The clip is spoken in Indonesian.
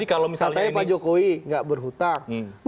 katanya pak jokowi nggak berhutang